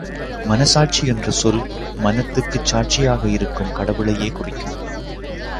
மனசாட்சி என்ற சொல், மனத்துக்குச் சாட்சியாக இருக்கும் கடவுளையே குறிக்கும்.